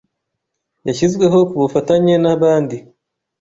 yashyizweho ku bufatanye nabandi